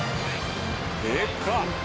でかっ！